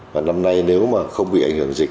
và năm nay nếu mà không bị ảnh hưởng dịch